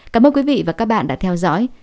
cảm ơn quý vị và các bạn đã theo dõi